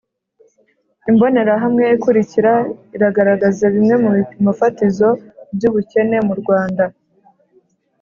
imbonerahamwe ikurikira iragaragaza bimwe mu bipimo fatizo by'ubukene mu rwanda.